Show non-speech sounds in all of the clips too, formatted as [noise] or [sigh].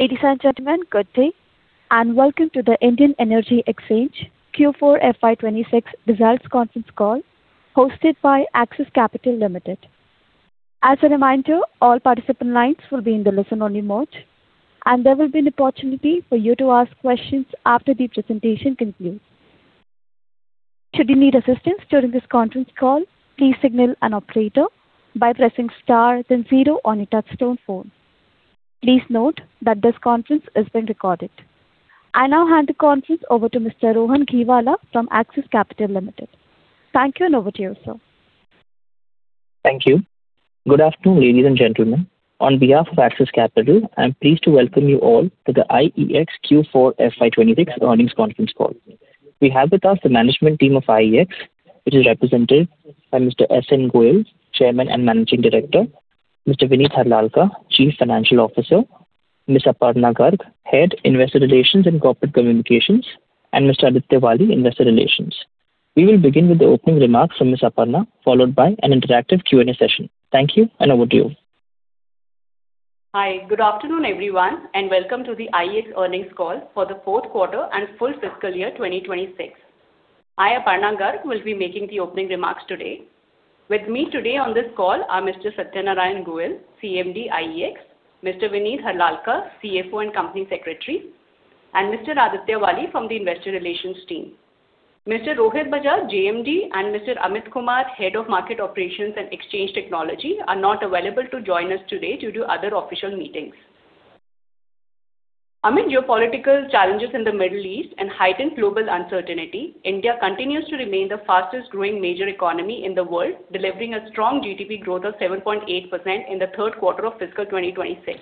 Ladies and gentlemen, good day, and welcome to the Indian Energy Exchange Q4 FY 2026 results conference call hosted by Axis Capital Limited. As a reminder, all participant lines will be in the listen-only mode, and there will be an opportunity for you to ask questions after the presentation concludes. Should you need assistance during this conference call, please signal an operator by pressing star then zero on your touch-tone phone. Please note that this conference is being recorded. I now hand the conference over to Mr. Rohan Gheewala from Axis Capital Limited. Thank you, and over to you, sir. Thank you. Good afternoon, ladies and gentlemen. On behalf of Axis Capital, I'm pleased to welcome you all to the IEX Q4 FY 2026 earnings conference call. We have with us the management team of IEX, which is represented by Mr. S N Goel, Chairman and Managing Director, Mr. Vineet Harlalka, Chief Financial Officer, Ms. Aparna Garg, Head, Investor Relations and Corporate Communications, and Mr. Aditya Wali, Investor Relations. We will begin with the opening remarks from Ms. Aparna, followed by an interactive Q&A session. Thank you, and over to you. Hi. Good afternoon, everyone, and welcome to the IEX earnings call for the fourth quarter and full fiscal year 2026. I, Aparna Garg, will be making the opening remarks today. With me today on this call are Mr. Satyanarayan Goel, CMD, IEX; Mr. Vineet Harlalka, CFO and Company Secretary; and Mr. Aditya Wali from the Investor Relations team. Mr. Rohit Bajaj, JMD and Mr. Amit Kumar, Head of Market Operations and Exchange Technology, are not available to join us today due to other official meetings. Amid geopolitical challenges in the Middle East and heightened global uncertainty, India continues to remain the fastest-growing major economy in the world, delivering a strong GDP growth of 7.8% in the third quarter of fiscal 2026.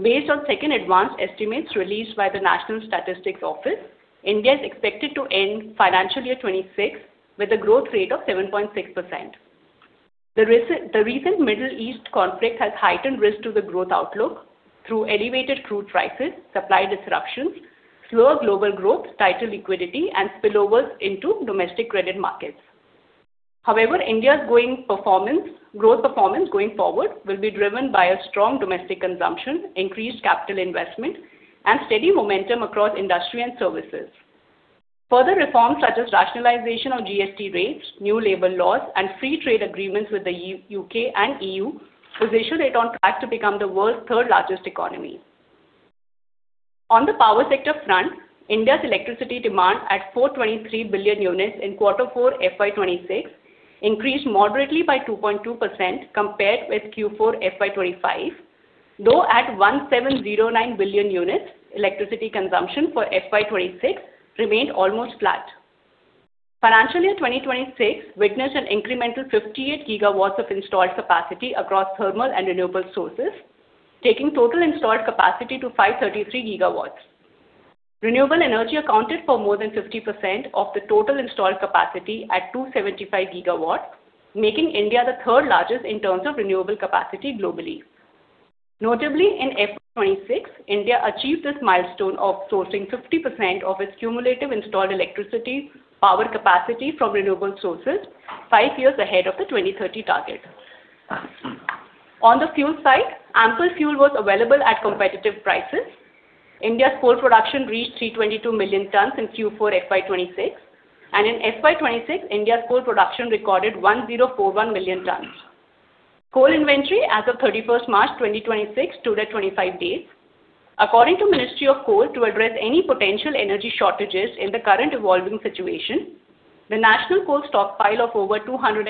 Based on second advanced estimates released by the National Statistical Office, India is expected to end financial year 2026 with a growth rate of 7.6%. The recent Middle East conflict has heightened risk to the growth outlook through elevated crude prices, supply disruptions, slower global growth, tighter liquidity, and spillovers into domestic credit markets. However, India's growth performance going forward will be driven by a strong domestic consumption, increased capital investment, and steady momentum across industry and services. Further reforms such as rationalization of GST rates, new labor laws, and free trade agreements with the U.K. and EU position it on track to become the world's third-largest economy. On the power sector front, India's electricity demand at 423 billion units in quarter four FY 2026 increased moderately by 2.2% compared with Q4 FY 2025, though at 1,709 billion units, electricity consumption for FY 2026 remained almost flat. Financial year 2026 witnessed an incremental 58 GW of installed capacity across thermal and renewable sources, taking total installed capacity to 533 GW. Renewable energy accounted for more than 50% of the total installed capacity at 275 GW, making India the third largest in terms of renewable capacity globally. Notably, in FY 2026, India achieved this milestone of sourcing 50% of its cumulative installed electricity power capacity from renewable sources five years ahead of the 2030 target. On the fuel side, ample fuel was available at competitive prices. India's coal production reached 322 million tons in Q4 FY 2026, and in FY 2026, India's coal production recorded 1,041 million tons. Coal inventory as of 31st March 2026 stood at 25 days. According to Ministry of Coal, to address any potential energy shortages in the current evolving situation, the national coal stockpile of over 210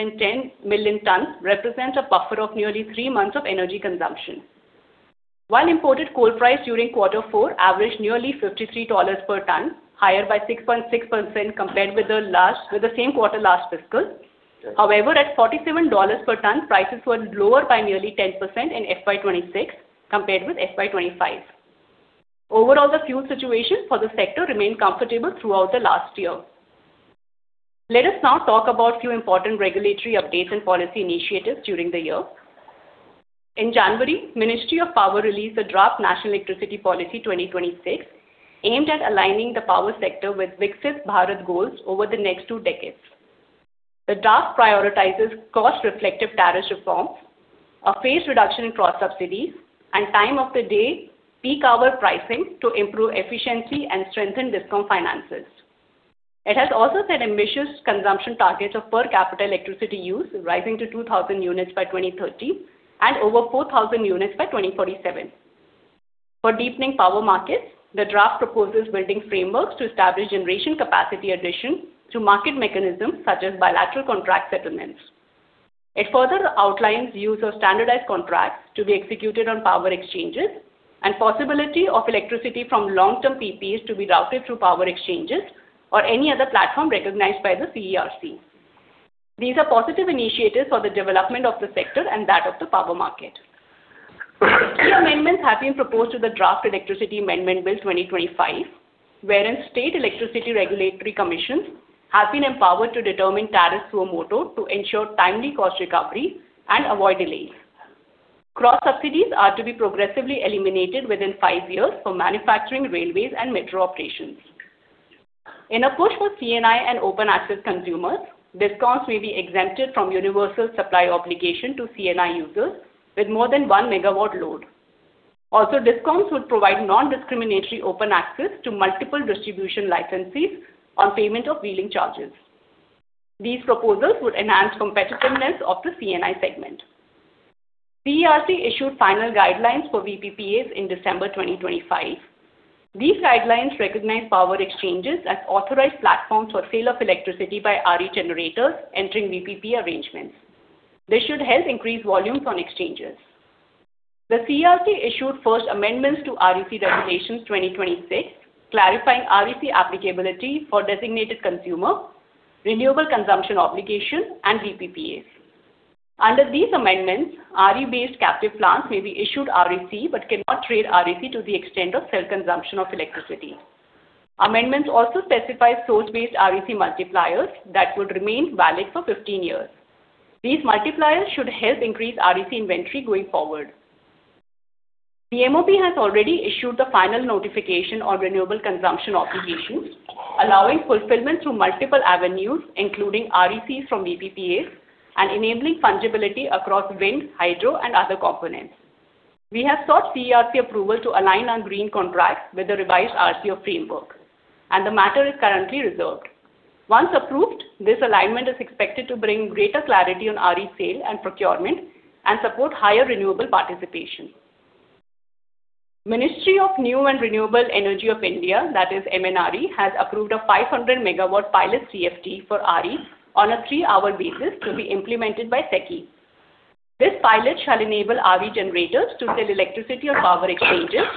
million tons represents a buffer of nearly three months of energy consumption. While imported coal price during quarter four averaged nearly $53 per ton, higher by 6.6% compared with the same quarter last fiscal. However, at $47 per ton, prices were lower by nearly 10% in FY 2026 compared with FY 2025. Overall, the fuel situation for the sector remained comfortable throughout the last year. Let us now talk about few important regulatory updates and policy initiatives during the year. In January, Ministry of Power released a Draft National Electricity Policy 2026, aimed at aligning the power sector with Viksit Bharat goals over the next two decades. The draft prioritizes cost-reflective tariff reforms, a phased reduction in cross-subsidies, and time-of-day peak-hour pricing to improve efficiency and strengthen DISCOM finances. It has also set ambitious consumption targets of per capita electricity use, rising to 2,000 units by 2030 and over 4,000 units by 2047. For deepening power markets, the draft proposes building frameworks to establish generation capacity addition through market mechanisms such as bilateral contract settlements. It further outlines use of standardized contracts to be executed on power exchanges and possibility of electricity from long-term PPAs to be routed through power exchanges or any other platform recognized by the CERC. These are positive initiatives for the development of the sector and that of the power market. Key amendments have been proposed to the Draft Electricity (Amendment) Bill, 2025, wherein state electricity regulatory commissions have been empowered to determine tariffs suo motu to ensure timely cost recovery and avoid delays. Cross-subsidies are to be progressively eliminated within five years for manufacturing, railways, and metro operations. In a push for C&I and open access consumers, DISCOMs may be exempted from Universal Supply Obligation to C&I users with more than 1 MW load. Also, DISCOMs would provide non-discriminatory open access to multiple distribution licensees on payment of wheeling charges. These proposals would enhance competitiveness of the C&I segment. CERC issued final guidelines for VPPA in December 2025. These guidelines recognize power exchanges as authorized platforms for sale of electricity by RE generators entering VPPA arrangements. This should help increase volumes on exchanges. The CERC issued First Amendment to REC Regulations, 2026, clarifying REC applicability for designated consumer, Renewable Consumption Obligation, and VPPAs. Under these amendments, RE-based captive plants may be issued REC but cannot trade REC to the extent of self-consumption of electricity. Amendments also specify source-based REC multipliers that would remain valid for 15 years. These multipliers should help increase REC inventory going forward. The MoP has already issued the final notification on renewable consumption obligations, allowing fulfillment through multiple avenues, including RECs from VPPAs and enabling fungibility across wind, hydro, and other components. We have sought CERC approval to align on green contracts with the revised RCO framework, and the matter is currently reserved. Once approved, this alignment is expected to bring greater clarity on RE sale and procurement and support higher renewable participation. Ministry of New and Renewable Energy of India, that is MNRE, has approved a 500 MW pilot CFD for RE on a three-hour basis to be implemented by SECI. This pilot shall enable RE generators to sell electricity on power exchanges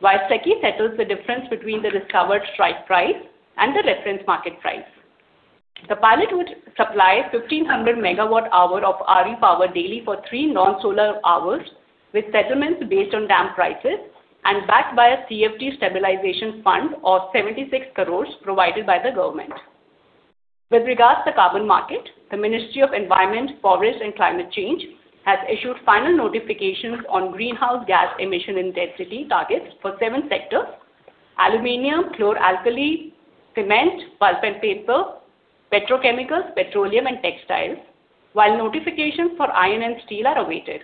while SECI settles the difference between the discovered strike price and the reference market price. The pilot would supply 1,500 MWh of RE power daily for three non-solar hours, with settlements based on DAM prices and backed by a CfD Stabilization Fund of 76 crore provided by the government. With regards to carbon market, the Ministry of Environment, Forest and Climate Change has issued final notifications on greenhouse gas emission intensity targets for seven sectors, aluminum, chlor-alkali, cement, pulp and paper, petrochemicals, petroleum and textiles, while notifications for iron and steel are awaited.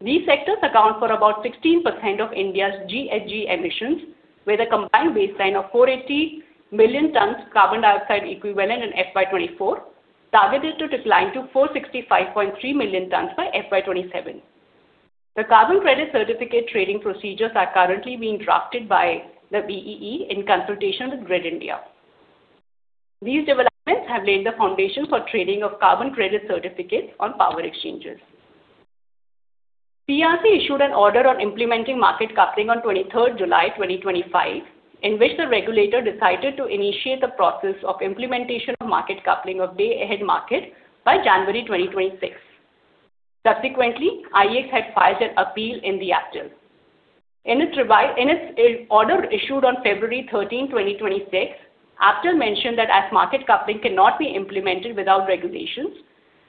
These sectors account for about 16% of India's GHG emissions, with a combined baseline of 480 million tons carbon dioxide equivalent in FY 2024, targeted to decline to 465.3 million tons by FY 2027. The carbon credit certificate trading procedures are currently being drafted by the BEE in consultation with Grid India. These developments have laid the foundation for trading of carbon credit certificates on power exchanges. CERC issued an order on implementing market coupling on 23rd July 2025, in which the regulator decided to initiate the process of implementation of market coupling of day ahead market by January 2026. Subsequently, IEX had filed an appeal in the APTEL. In its order issued on February 13, 2026, APTEL mentioned that as market coupling cannot be implemented without regulations,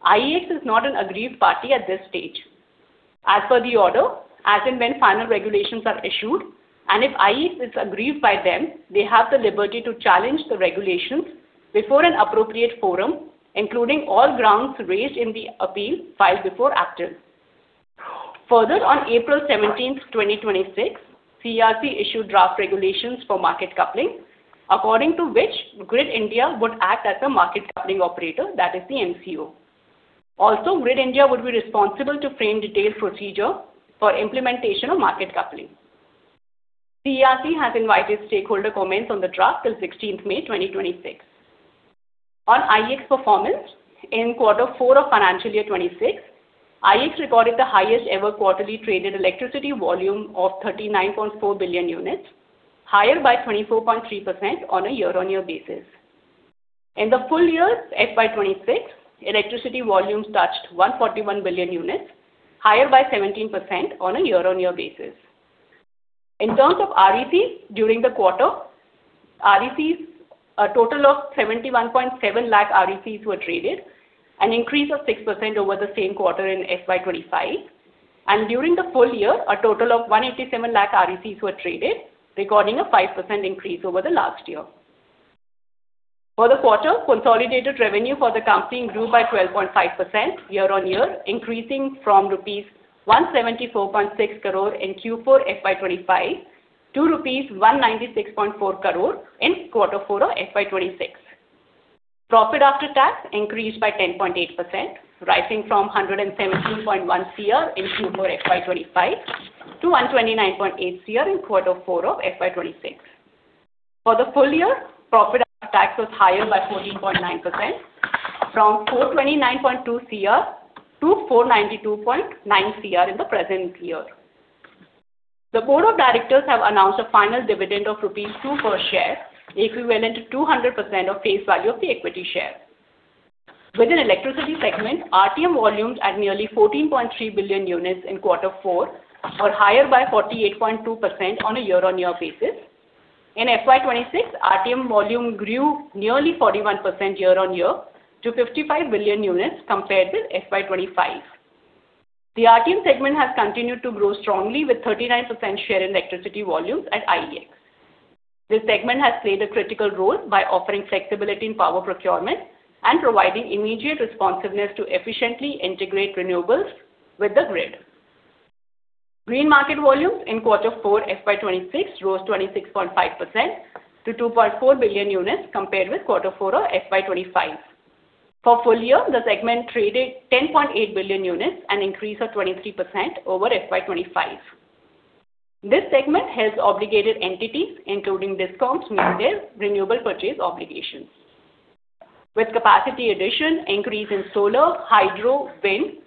IEX is not an aggrieved party at this stage. As per the order, as and when final regulations are issued, and if IEX is aggrieved by them, they have the liberty to challenge the regulations before an appropriate forum, including all grounds raised in the appeal filed before APTEL. Further, on April 17th, 2026, CERC issued draft regulations for market coupling, according to which Grid India would act as a market coupling operator, that is the MCO. Also, Grid India would be responsible to frame detailed procedure for implementation of market coupling. CERC has invited stakeholder comments on the draft till 16th May 2026. On IEX performance in quarter four of financial year 2026, IEX recorded the highest ever quarterly traded electricity volume of 39.4 billion units, higher by 24.3% on a year-on-year basis. In the full year, FY 2026, electricity volumes touched 141 billion units, higher by 17% on a year-on-year basis. In terms of RECs, during the quarter, a total of 71.7 lakh RECs were traded, an increase of 6% over the same quarter in FY 2025, and during the full year, a total of 187 lakh RECs were traded, recording a 5% increase over the last year. For the quarter, consolidated revenue for the company grew by 12.5% year-on-year, increasing from rupees 174.6 crore in Q4 FY 2025 to rupees 196.4 crore in quarter four of FY 2026. Profit after tax increased by 10.8%, rising from 117.1 crore in Q4 FY 2025 to 129.8 crore in quarter four of FY 2026. For the full year, profit after tax was higher by 14.9%, from 429.2 crore to 492.9 crore in the present year. The Board of Directors have announced a final dividend of rupees 2 per share, equivalent to 200% of face value of the equity share. Within electricity segment, RTM volumes at nearly 14.3 billion units in quarter four were higher by 48.2% on a year-on-year basis. In FY 2026, RTM volume grew nearly 41% year-on-year to 55 billion units compared with FY 2025. The RTM segment has continued to grow strongly with 39% share in electricity volumes at IEX. This segment has played a critical role by offering flexibility in power procurement and providing immediate responsiveness to efficiently integrate renewables with the grid. Green market volumes in quarter four FY 2026 rose 26.5% to 2.4 billion units compared with quarter four of FY 2025. For full year, the segment traded 10.8 billion units, an increase of 23% over FY 2025. This segment helps obligated entities, including DISCOMs, meet their renewable purchase obligations. With capacity addition, increase in solar, hydro, wind,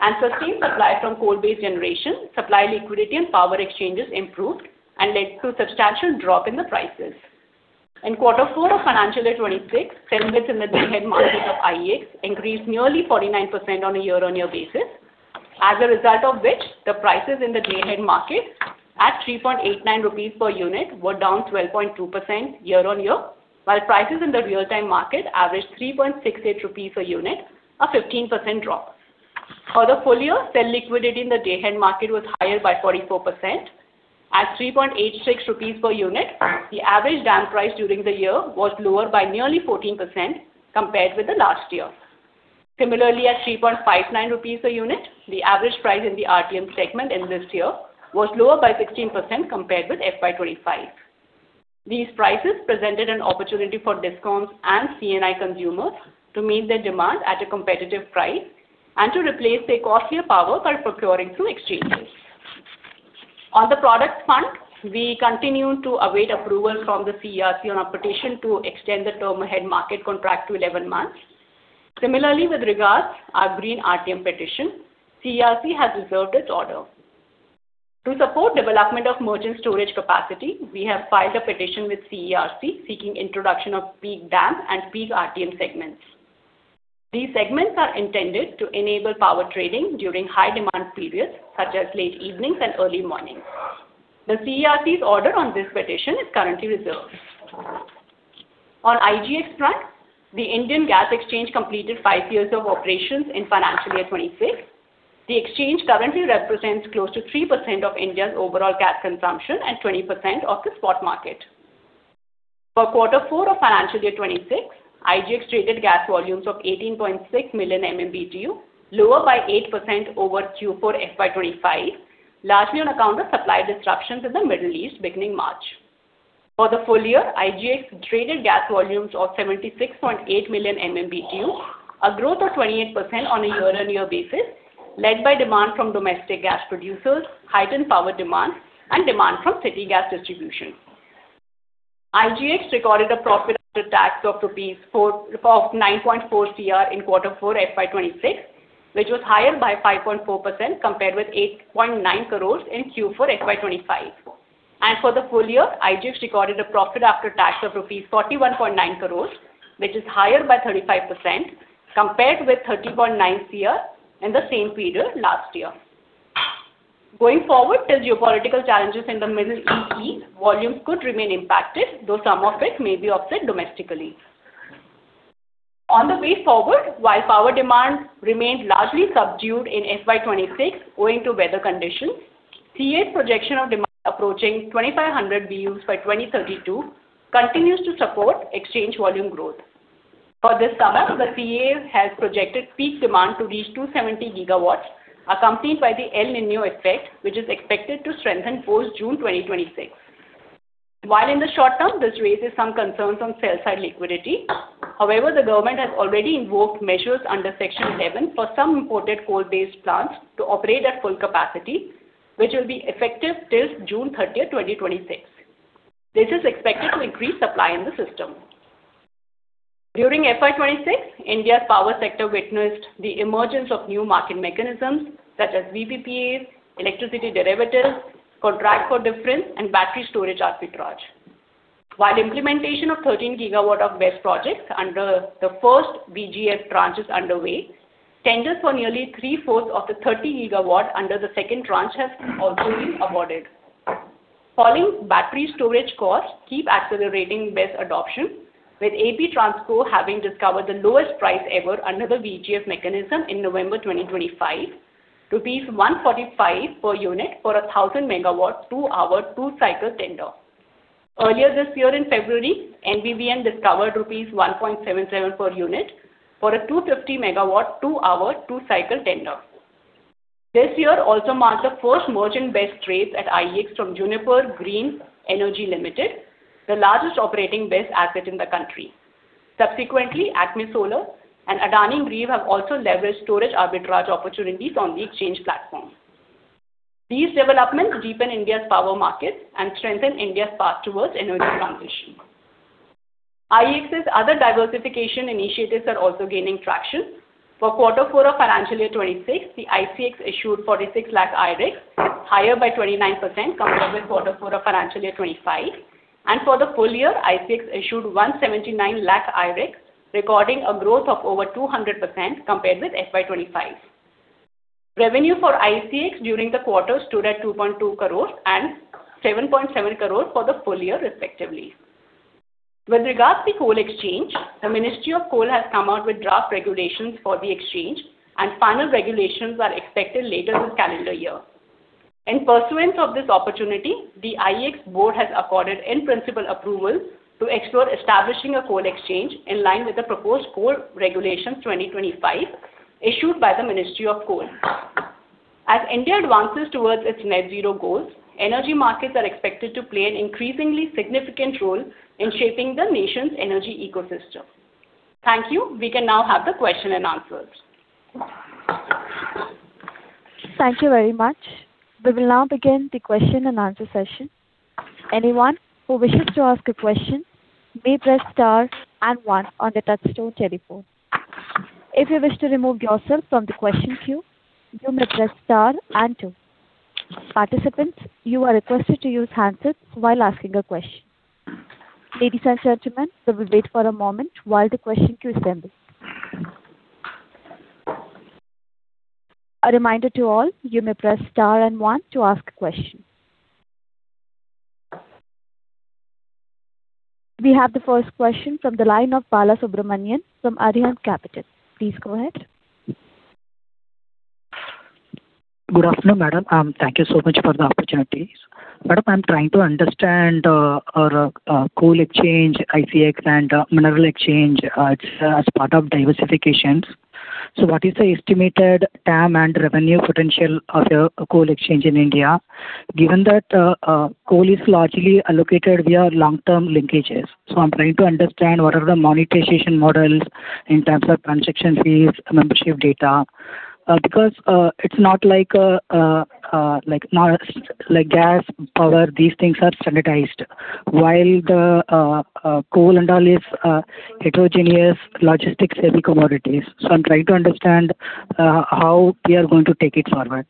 and sustained supply from coal-based generation, supply, liquidity, and power exchanges improved and led to a substantial drop in the prices. In quarter four of financial year 2026, volumes in the day ahead market of IEX increased nearly 49% on a year-on-year basis. As a result of which, the prices in the day ahead market at 3.89 rupees per unit were down 12.2% year-on-year, while prices in the real-time market averaged 3.68 rupees per unit, a 15% drop. For the full year, sell liquidity in the day ahead market was higher by 44% at 3.86 rupees per unit. The average DAM price during the year was lower by nearly 14% compared with the last year. Similarly, at 3.59 rupees per unit, the average price in the RTM segment in this year was lower by 16% compared with FY 2025. These prices presented an opportunity for DISCOMs and C&I consumers to meet their demand at a competitive price and to replace their costlier power by procuring through exchanges. On the products front, we continue to await approval from the CERC on a petition to extend the term ahead market contract to 11 months. Similarly, with regards our Green RTM petition, CERC has reserved its order. To support development of merchant storage capacity, we have filed a petition with CERC seeking introduction of Peak DAM and Peak RTM segments. These segments are intended to enable power trading during high-demand periods, such as late evenings and early mornings. The CERC's order on this petition is currently reserved. On IGX front, the Indian Gas Exchange completed five years of operations in financial year 2026. The exchange currently represents close to 3% of India's overall gas consumption and 20% of the spot market. For quarter four of financial year 2026, IGX traded gas volumes of 18.6 million MMBtu, lower by 8% over Q4 FY 2025, largely on account of supply disruptions in the Middle East beginning March. For the full year, IGX traded gas volumes of 76.8 million MMBtu, a growth of 28% on a year-on-year basis, led by demand from domestic gas producers, heightened power demand, and demand from city gas distribution. IGX recorded a profit after tax of 9.4 crore rupees in quarter four FY 2026, which was higher by 5.4% compared with 8.9 crore in Q4 FY 2025. For the full year, IGX recorded a profit after tax of 41.9 crore rupees, which is higher by 35%, compared with 31.9 crore in the same period last year. Going forward, the geopolitical challenges in the Middle East, volumes could remain impacted, though some of it may be offset domestically. On the way forward, while power demand remained largely subdued in FY 2026 owing to weather conditions, CEA's projection of demand approaching 2,500 BUs by 2032 continues to support exchange volume growth. For this summer, the CEA has projected peak demand to reach 270 GW, accompanied by the El Niño effect, which is expected to strengthen post June 2026. While in the short term, this raises some concerns on sell-side liquidity, however, the government has already invoked measures under Section 11 for some imported coal-based plants to operate at full capacity, which will be effective till June 30th, 2026. This is expected to increase supply in the system. During FY 2026, India's power sector witnessed the emergence of new market mechanisms such as VPPA, electricity derivatives, contract for difference, and battery storage arbitrage. While implementation of 13 GW of BESS projects under the first VGF tranche is underway, tenders for nearly 3/4 of the 13 GW under the second tranche has also been awarded. Falling battery storage costs keep accelerating BESS adoption, with APTRANSCO having discovered the lowest price ever under the VGF mechanism in November 2025, rupees 145 per unit for 1,000 MW, two-hour, two-cycle tender. Earlier this year in February, NVVN discovered rupees 1.77 per unit for a 250 MW, two-hour, two-cycle tender. This year also marks the first merchant BESS trades at IEX from Juniper Green Energy Limited, the largest operating BESS asset in the country. Subsequently, ACME Solar and Adani Green have also leveraged storage arbitrage opportunities on the exchange platform. These developments deepen India's power markets and strengthen India's path towards energy transition. IEX's other diversification initiatives are also gaining traction. For quarter four of financial year 2026, the IEX issued 46 lakh I-REC, higher by 29% compared with quarter four of financial year 2025. For the full year, IEX issued 179 lakh I-REC, recording a growth of over 200% compared with FY 2025. Revenue for IEX during the quarter stood at 2.2 crore and 7.7 crore for the full year respectively. With regards to coal exchange, the Ministry of Coal has come out with draft regulations for the exchange, and final regulations are expected later this calendar year. In pursuance of this opportunity, the IEX Board has accorded in-principle approval to explore establishing a coal exchange in line with the proposed coal regulations 2025, issued by the Ministry of Coal. As India advances towards its net zero goals, energy markets are expected to play an increasingly significant role in shaping the nation's energy ecosystem. Thank you. We can now have the question and answers. Thank you very much. We will now begin the question-and-answer session. Anyone who wishes to ask a question may press star and one on the touch-tone telephone. If you wish to remove yourself from the question queue, you may press star and two. Participants, you are requested to use handsets while asking a question. Ladies and gentlemen, we will wait for a moment while the question queue assembles. A reminder to all, you may press star and one to ask a question. We have the first question from the line of Balasubramanian from Aditya Capital. Please go ahead. Good afternoon, madam. Thank you so much for the opportunity. Madam, I'm trying to understand our coal exchange, IGX, and mineral exchange as part of diversifications. What is the estimated TAM and revenue potential of a coal exchange in India, given that coal is largely allocated via long-term linkages? I'm trying to understand what are the monetization models in terms of transaction fees, membership data. Because it's not like gas, power, these things are standardized, while the coal and all is heterogeneous, logistics-heavy commodities. I'm trying to understand how we are going to take it forward.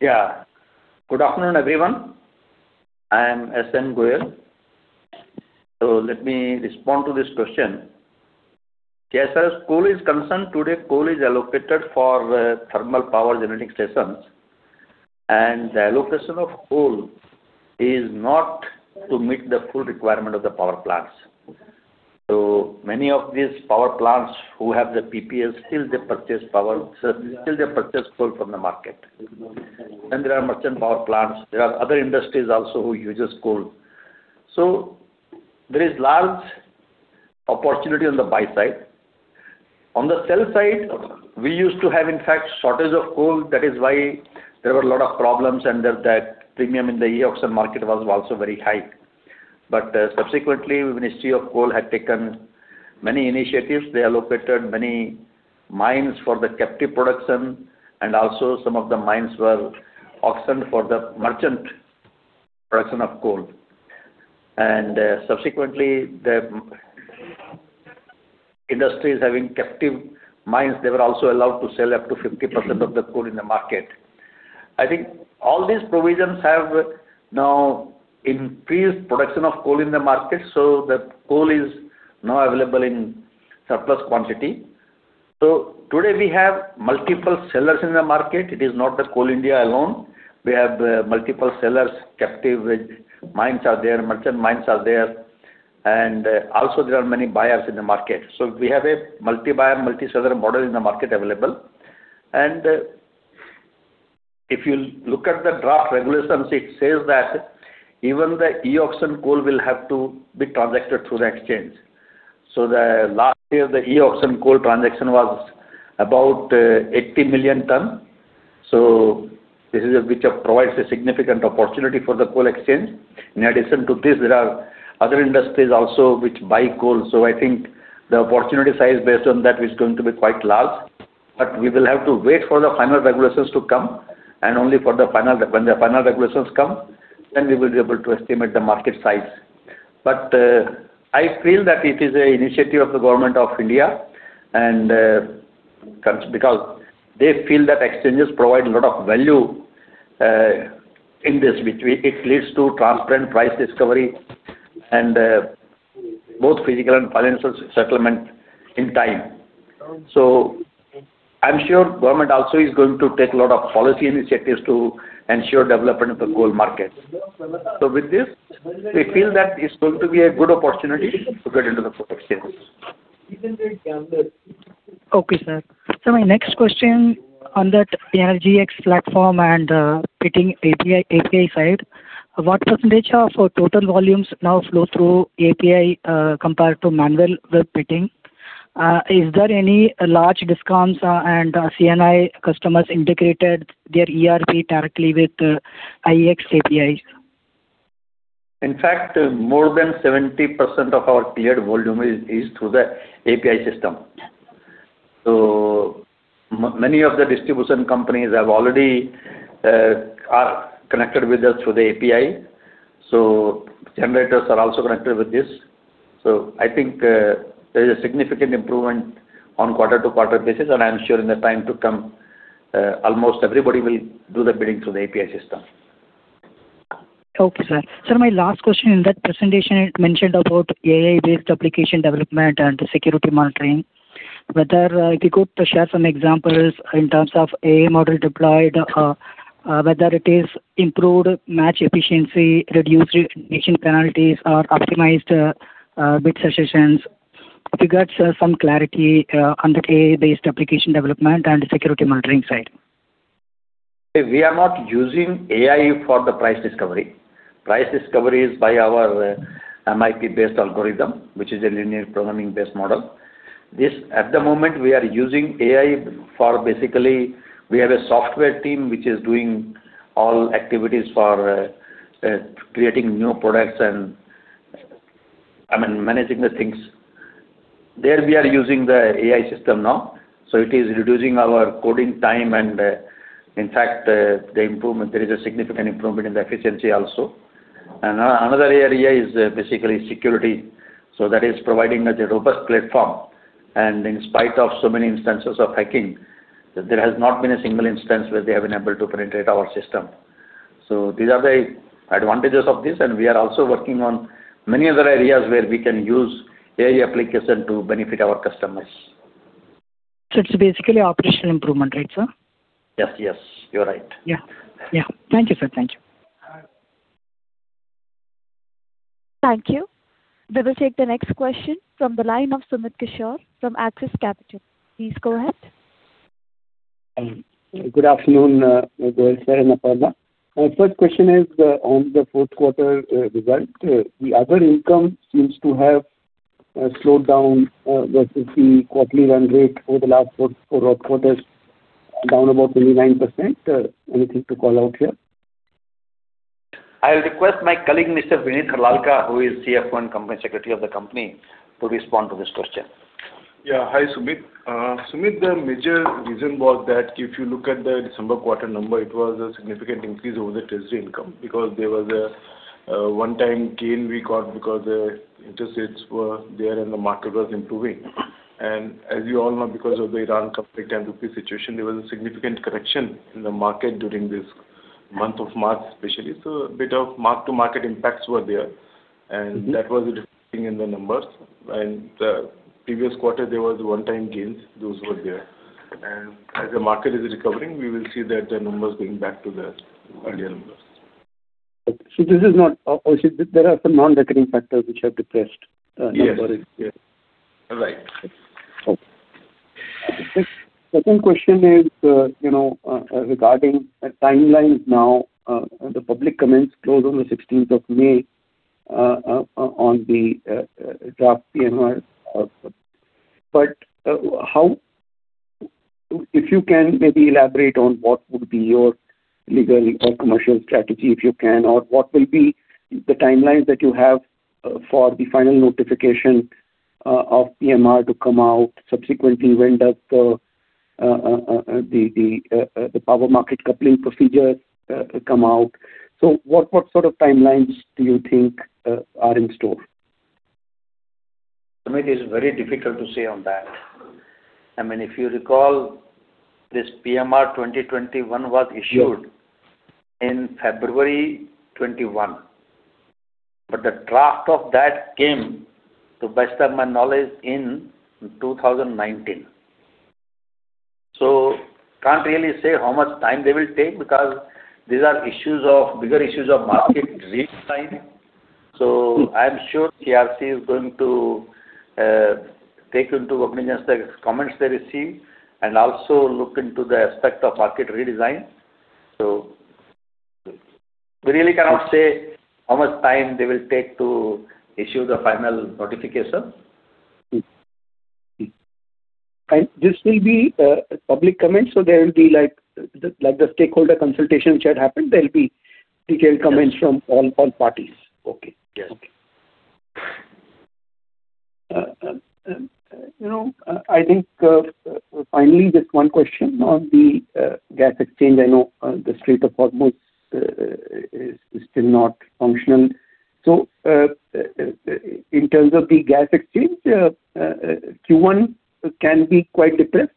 Yeah. Good afternoon, everyone. I am S N Goel. Let me respond to this question. Yes, sir, as coal is concerned, today, coal is allocated for thermal power generating stations, and the allocation of coal is not to meet the full requirement of the power plants. Many of these power plants who have the PPAs still they purchase coal from the market. There are merchant power plants. There are other industries also who uses coal. There is large opportunity on the buy side. On the sell side, we used to have in fact shortage of coal. That is why there were a lot of problems and that premium in the e-auction market was also very high. Subsequently, the Ministry of Coal had taken many initiatives. They allocated many mines for the captive production, and also some of the mines were auctioned for the merchant production of coal. Subsequently, the industries having captive mines, they were also allowed to sell up to 50% of the coal in the market. I think all these provisions have now increased production of coal in the market, so that coal is now available in surplus quantity. Today we have multiple sellers in the market. It is not the Coal India alone. We have multiple sellers, captive mines are there, merchant mines are there, and also there are many buyers in the market. We have a multi-buyer, multi-seller model in the market available. If you look at the draft regulations, it says that even the e-auction coal will have to be transacted through the exchange. Last year, the e-auction coal transaction was about 80 million tons. This provides a significant opportunity for the coal exchange. In addition to this, there are other industries also which buy coal. I think the opportunity size based on that is going to be quite large, but we will have to wait for the final regulations to come, and only when the final regulations come, then we will be able to estimate the market size. I feel that it is an initiative of the Government of India, because they feel that exchanges provide a lot of value in this. It leads to transparent price discovery and both physical and financial settlement in time. I'm sure government also is going to take a lot of policy initiatives to ensure development of the coal market. With this, we feel that it's going to be a good opportunity to get into the coal exchange. Okay, sir. Sir, my next question on that EnergX platform and bidding API side. What percentage of our total volumes now flow through API, compared to manual web bidding? Is there any large DISCOMs or C&I customers integrated their ERP directly with IEX API? In fact, more than 70% of our cleared volume is through the API system. Many of the distribution companies are already connected with us through the API. Generators are also connected with this. I think there is a significant improvement on quarter-to-quarter basis, and I'm sure in the time to come, almost everybody will do the bidding through the API system. Okay, sir. Sir, my last question, in that presentation, it mentioned about AI-based application development and security monitoring. Whether if you could share some examples in terms of AI model deployed, whether it is improved match efficiency, reduced penalties, or optimized bid suggestions. If you could share some clarity on the AI-based application development and security monitoring side. We are not using AI for the price discovery. Price discovery is by our MILP-based algorithm, which is a linear programming-based model. At the moment, we are using AI for basically, we have a software team which is doing all activities for creating new products and managing the things. There we are using the AI system now, so it is reducing our coding time and, in fact, there is a significant improvement in the efficiency also. Another area is basically security. That is providing us a robust platform. In spite of so many instances of hacking, there has not been a single instance where they have been able to penetrate our system. These are the advantages of this, and we are also working on many other areas where we can use AI application to benefit our customers. It's basically operational improvement, right, sir? Yes. You're right. Yeah. Yeah. Thank you, sir. Thank you. We will take the next question from the line of Sumit Kishore from Axis Capital. Please go ahead. Good afternoon, Goel sir and Aparna. My first question is on the fourth quarter result. The other income seems to have slowed down versus the quarterly run rate over the last four quarters, down about 29%. Anything to call out here? I will request my colleague, Mr. Vineet Harlalka, who is CFO and Company Secretary of the company, to respond to this question. Yeah. Hi, Sumit. Sumit, the major reason was that if you look at the December quarter number, it was a significant increase over the treasury income because there was a one-time gain we got because the interest rates were there and the market was improving. As you all know, because of the Iran conflict and rupee situation, there was a significant correction in the market during this month of March, especially. A bit of mark-to-market impacts were there, and that was reflecting in the numbers. Previous quarter, there was one-time gains. Those were there. As the market is recovering, we will see that the numbers going back to the earlier numbers. Okay. So, there are some non-recurring factors which have depressed numbers here? Yes. Right. Okay. Second question is regarding timelines now. The public comments closed on the 16th of May on the Draft PMR. If you can maybe elaborate on what would be your legal or commercial strategy, if you can, or what will be the timelines that you have for the final notification of PMR to come out? Subsequently, when does the power market coupling procedure come out? What sort of timelines do you think are in store? Sumit, it is very difficult to say on that. If you recall, this PMR 2021 was issued in February 2021, but the draft of that came, to best of my knowledge, in 2019. Can't really say how much time they will take because these are bigger issues of market redesign. I'm sure CERC is going to take into cognizance the comments they receive and also look into the aspect of market redesign. We really cannot say how much time they will take to issue the final notification. This will be public comments, so there will be like the stakeholder consultation which had happened, there will be detailed comments from all parties. Yes. Okay. I think, finally, just one question on the gas exchange. I know the Strait of Hormuz is still not functional. In terms of the gas exchange, Q1 can be quite depressed.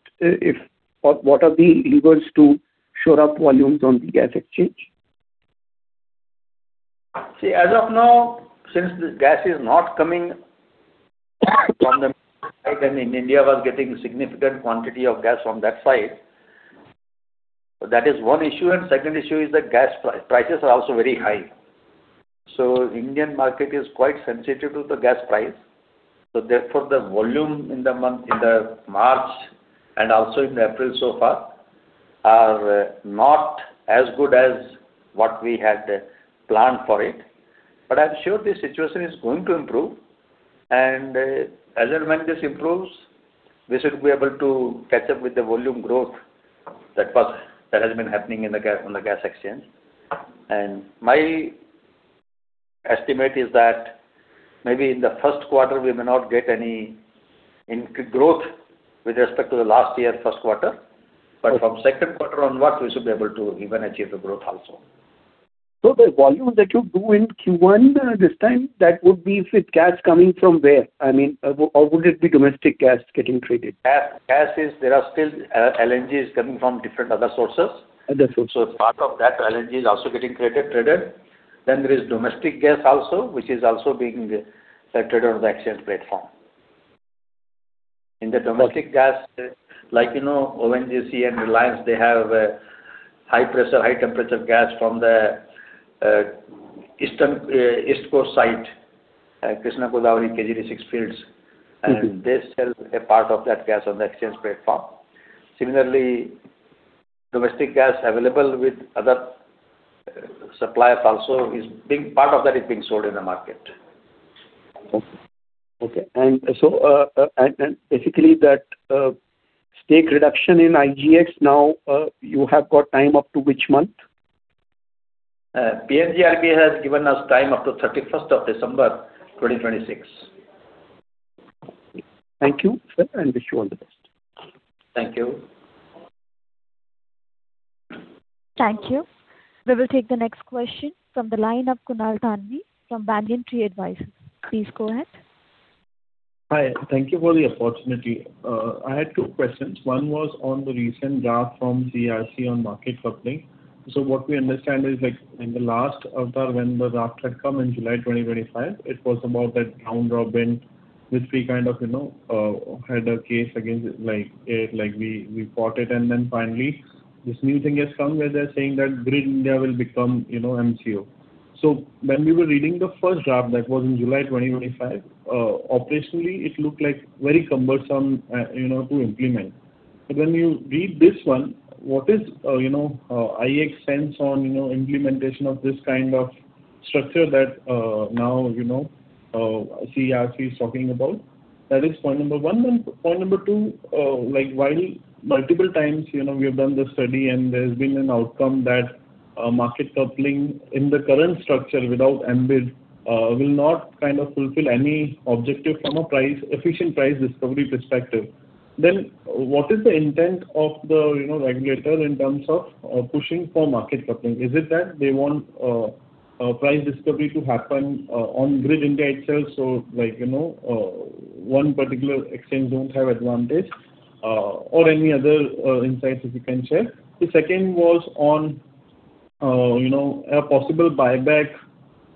What are the levers to shore up volumes on the gas exchange? See, as of now, since the gas is not coming from the [audio distortion] and India was getting significant quantity of gas from that side, that is one issue. Second issue is that gas prices are also very high. Indian market is quite sensitive to the gas price. Therefore, the volume in March and also in April so far are not as good as what we had planned for it. I'm sure the situation is going to improve. As and when this improves, we should be able to catch up with the volume growth that has been happening on the gas exchange. My estimate is that maybe in the first quarter, we may not get any growth with respect to the last year first quarter. From second quarter onwards, we should be able to even achieve the growth also. The volume that you do in Q1 this time, that would be with gas coming from where? Or would it be domestic gas getting traded? As is, there are still LNGs coming from different other sources. Other sources. Part of that LNG is also getting traded. There is domestic gas also, which is also being traded on the exchange platform. In the domestic gas, like you know, ONGC and Reliance, they have high pressure, high temperature gas from the east coast site at Krishna Godavari (KG-D6) fields. Mm-hmm. They sell a part of that gas on the exchange platform. Similarly, domestic gas available with other suppliers also, part of that is being sold in the market. Okay. Basically, that stake reduction in IGX now, you have got time up to which month? PNGRB has given us time up to 31st of December 2026. Thank you, sir, and wish you all the best. Thank you. Thank you. We will take the next question from the line of Kunal Thanvi from Banyan Tree Advisors. Please go ahead. Hi. Thank you for the opportunity. I had two questions. One was on the recent draft from CERC on market coupling. What we understand is, in the last avatar, when the draft had come in July 2025, it was about that round robin, which we had a case against it, like we fought it, and then finally this new thing has come where they're saying that Grid India will become MCO. When we were reading the first draft that was in July 2025, operationally, it looked like very cumbersome to implement. When you read this one, what is IEX sense on implementation of this kind of structure that now CERC is talking about? That is point number one. Point number two, while multiple times we have done the study and there's been an outcome that market coupling in the current structure without MBED will not fulfill any objective from an efficient price discovery perspective. What is the intent of the regulator in terms of pushing for market coupling? Is it that they want price discovery to happen on Grid India itself, so one particular exchange don't have advantage? Or any other insights that you can share. The second was on a possible buyback,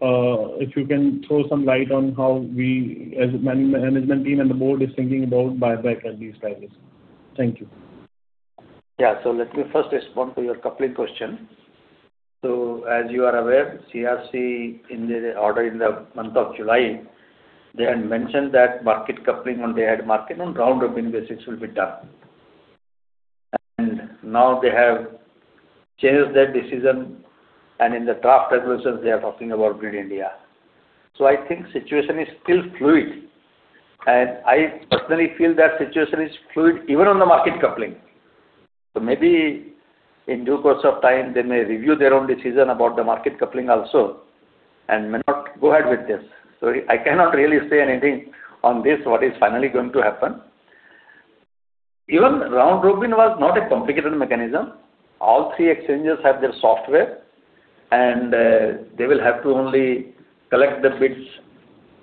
if you can throw some light on how we as management team and the board is thinking about buyback at these prices. Thank you. Yeah. Let me first respond to your coupling question. As you are aware, CERC in the order in the month of July, they had mentioned that market coupling, when they had market on round robin basis will be done. Now they have changed their decision, and in the draft regulations, they are talking about Grid India. I think situation is still fluid. I personally feel that situation is still fluid even on the market coupling. Maybe in due course of time, they may review their own decision about the market coupling also, and may not go ahead with this. I cannot really say anything on this, what is finally going to happen. Even round robin was not a complicated mechanism. All three exchanges have their software, and they will have to only collect the bids.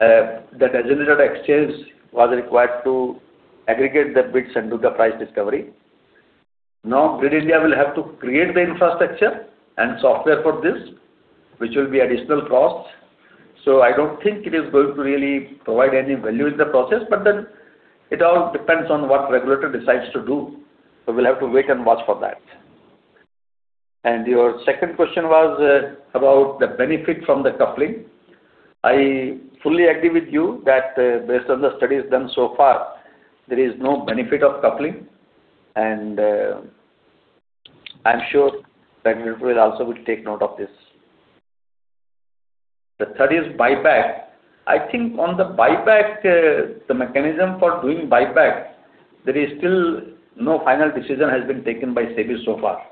The designated exchange was required to aggregate the bids and do the price discovery. Now Grid India will have to create the infrastructure and software for this, which will be additional costs. I don't think it is going to really provide any value in the process. It all depends on what regulator decides to do. We'll have to wait and watch for that. Your second question was about the benefit from the coupling. I fully agree with you that based on the studies done so far, there is no benefit of coupling, and I'm sure regulator will also take note of this. The third is buyback. I think on the buyback, the mechanism for doing buyback, there is still no final decision has been taken by SEBI so far.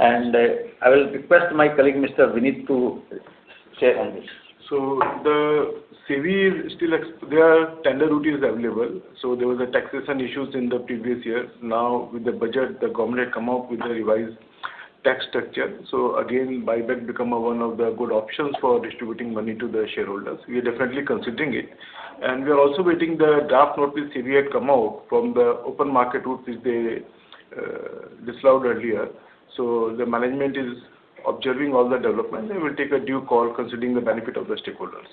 I will request my colleague, Mr. Vineet to share on this. The SEBI, their tender route is available. There was a taxation issues in the previous year. Now with the budget, the government come out with a revised tax structure. Again, buyback become one of the good options for distributing money to the shareholders. We are definitely considering it. We are also waiting the draft notice SEBI had come out from the open market route, which they disallowed earlier. The management is observing all the developments. They will take a due call considering the benefit of the stakeholders.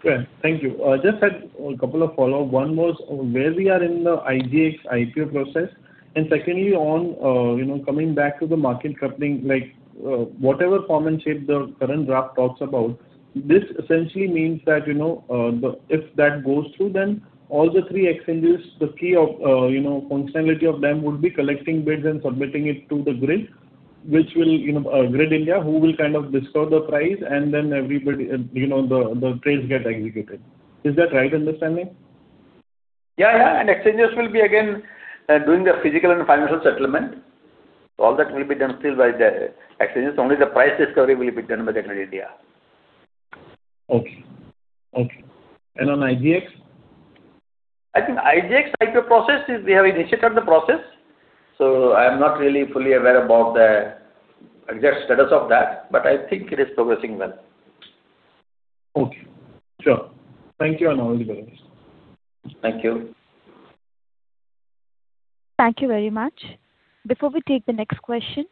Great. Thank you. Just had a couple of follow-up. One was where we are in the IGX IPO process. Secondly, on coming back to the market coupling, whatever form and shape the current draft talks about, this essentially means that if that goes through, then all the three exchanges, the key functionality of them would be collecting bids and submitting it to Grid India, who will discover the price and then the trades get aggregated. Is that right understanding? Yeah. Exchanges will be again doing the physical and financial settlement. All that will be done still by the exchanges. Only the price discovery will be done by the Grid India. Okay. On IGX? I think IGX IPO process, we have initiated the process, so I am not really fully aware about the exact status of that. I think it is progressing well. Okay. Sure. Thank you, and all the best. Thank you. Thank you very much. Before we take the next question,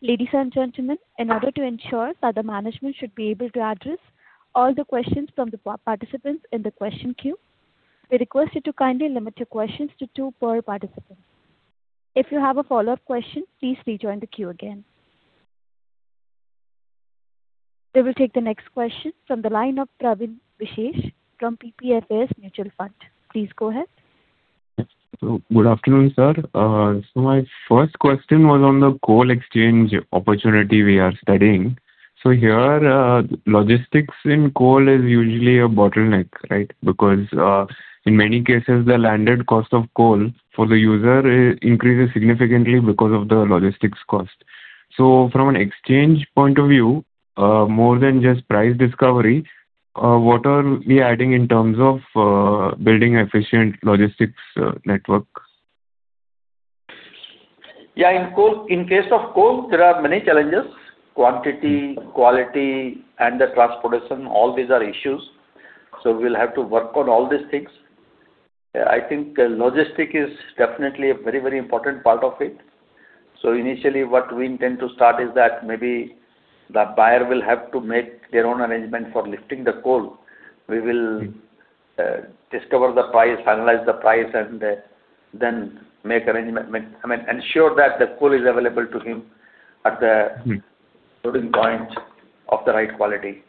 ladies and gentlemen, in order to ensure that the management should be able to address all the questions from the participants in the question queue, we request you to kindly limit your questions to two per participant. If you have a follow-up question, please rejoin the queue again. We will take the next question from the line of Prawin Visesh from PPFAS Mutual Fund. Please go ahead. Good afternoon, sir. My first question was on the coal exchange opportunity we are studying. Here, logistics in coal is usually a bottleneck, right? Because in many cases, the landed cost of coal for the user increases significantly because of the logistics cost. From an exchange point of view, more than just price discovery, what are we adding in terms of building efficient logistics network? Yeah, in case of coal, there are many challenges, quantity, quality, and the transportation, all these are issues. We'll have to work on all these things. I think logistics is definitely a very important part of it. Initially, what we intend to start is that maybe the buyer will have to make their own arrangement for lifting the coal. We will discover the price, finalize the price, and then ensure that the coal is available to him at the loading point of the right quality.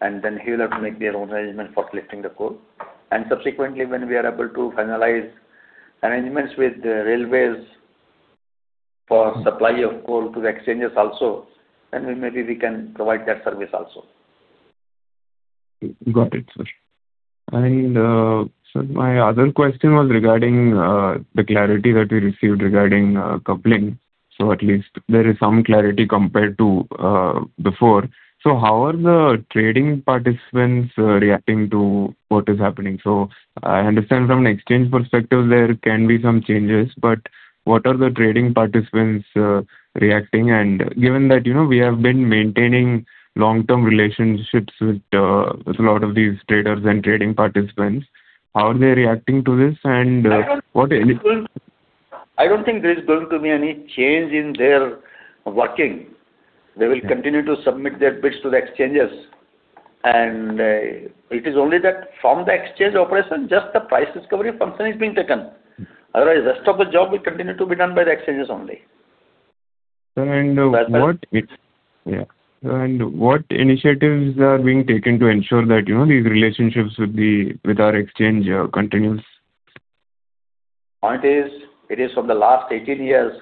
Then he will have to make their own arrangement for lifting the coal. Subsequently, when we are able to finalize arrangements with the railways for supply of coal to the exchanges also, then maybe we can provide that service also. Got it, sir. Sir, my other question was regarding the clarity that we received regarding coupling. At least there is some clarity compared to before. How are the trading participants reacting to what is happening? I understand from an exchange perspective, there can be some changes, but what are the trading participants reacting? Given that we have been maintaining long-term relationships with a lot of these traders and trading participants, how are they reacting to this, and what? I don't think there's going to be any change in their working. They will continue to submit their bids to the exchanges, and it is only that from the exchange operation, just the price discovery function is being taken. Otherwise, rest of the job will continue to be done by the exchanges only. Yeah. What initiatives are being taken to ensure that these relationships with our exchange continues? Point is, it is, for the last 18 years,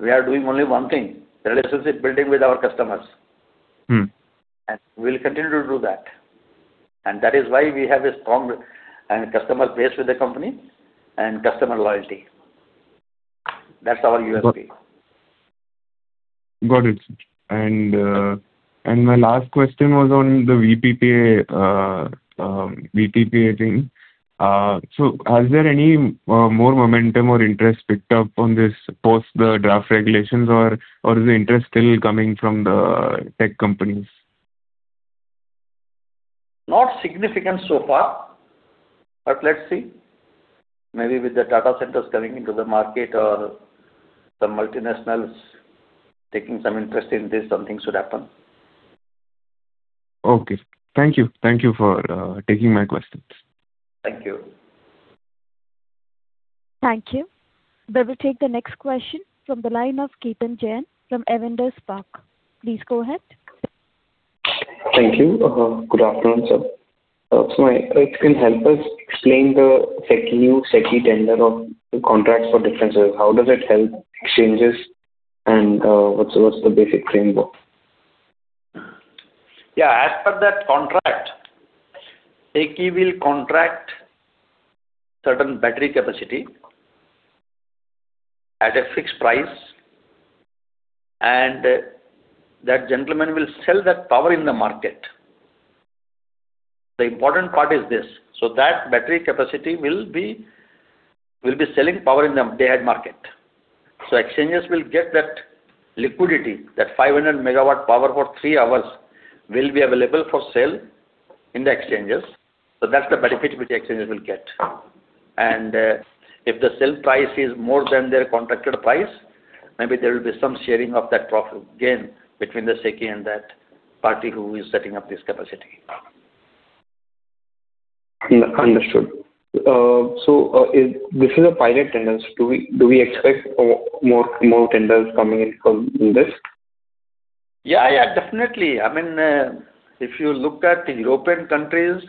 we are doing only one thing, relationship building with our customers. Mm. We'll continue to do that. That is why we have a strong customer base with the company and customer loyalty. That's our USP. Got it. My last question was on the VPPA thing. Is there any more momentum or interest picked up on this post the draft regulations, or is the interest still coming from the tech companies? Not significant so far, but let's see. Maybe with the data centers coming into the market or some multinationals taking some interest in this, something should happen. Okay. Thank you. Thank you for taking my questions. Thank you. Thank you. We will take the next question from the line of Ketan Jain from Avendus Spark. Please go ahead. Thank you. Good afternoon, sir. If you can help us explain the SECI tender of the contracts for differences, how does it help exchanges and what's the basic framework? Yeah. As per that contract, SECI will contract certain battery capacity at a fixed price, and that gentleman will sell that power in the market. The important part is this, so that battery capacity will be selling power in the day ahead market. Exchanges will get that liquidity, that 500 MW power for three hours will be available for sale in the exchanges. That's the benefit which the exchanges will get. If the sale price is more than their contracted price, maybe there will be some sharing of that profit gain between the SECI and that party who is setting up this capacity. Understood. This is a pilot tender. Do we expect more tenders coming in this? Yeah, definitely. If you look at European countries,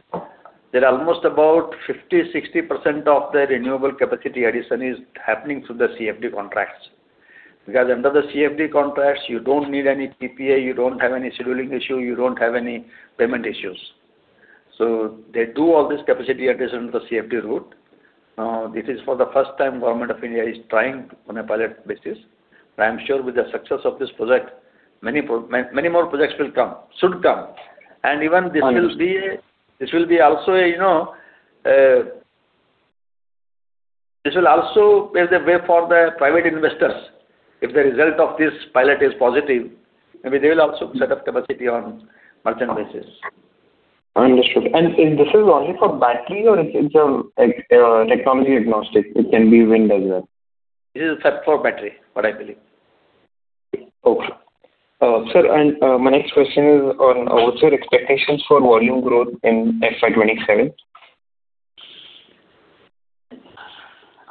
they're almost about 50%-60% of their renewable capacity addition is happening through the CFD contracts. Because under the CFD contracts, you don't need any PPA, you don't have any scheduling issue, you don't have any payment issues. They do all this capacity addition on the CFD route. Now, this is for the first time Government of India is trying on a pilot basis. I'm sure with the success of this project, many more projects will come, should come. Even this will be a, this will also pave the way for the private investors. If the result of this pilot is positive, maybe they will also set up capacity on merchant basis. Understood. Is this only for battery or it's a technology agnostic, it can be wind as well? This is set for battery, what I believe. Okay. Sir, my next question is on what's your expectations for volume growth in FY 2027?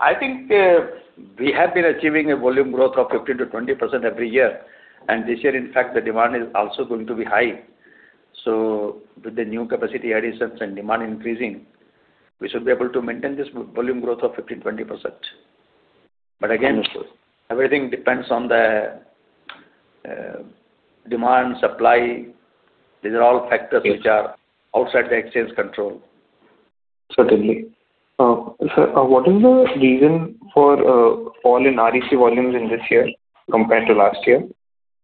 I think we have been achieving a volume growth of 15%-20% every year, and this year, in fact, the demand is also going to be high. With the new capacity additions and demand increasing, we should be able to maintain this volume growth of 15%-20%. Understood. Everything depends on the demand, supply. These are all factors which are outside the exchange control. Certainly. Sir, what is the reason for a fall in REC volumes in this year compared to last year?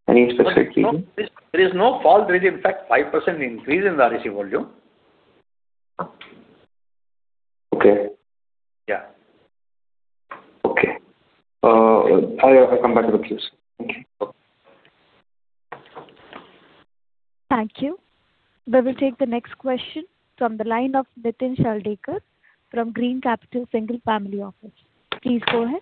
Any specific reason? There is no fall. There is in fact, 5% increase in the REC volume. Okay. Yeah. Okay. I come back with you, sir. Thank you. Okay. Thank you. We will take the next question from the line of Nitin Shakdher from Green Capital Single Family Office. Please go ahead.